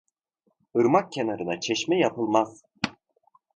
Irmak kenarına çeşme yapılmaz.